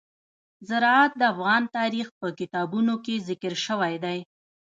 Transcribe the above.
زراعت د افغان تاریخ په کتابونو کې ذکر شوی دي.